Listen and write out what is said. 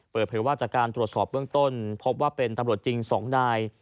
เปิดเผยว่าจากการตรวจสอบเบื้องต้นพบว่าเป็นตำรวจจริง๒นาย